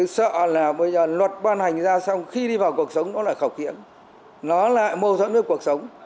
sợ là bây giờ luật ban hành ra xong khi đi vào cuộc sống nó là khẩu kiển nó lại mâu thuẫn với cuộc sống